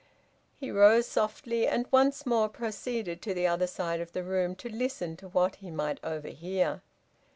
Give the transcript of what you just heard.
He rose softly, and once more proceeded to the other side of the room to listen to what he might overhear.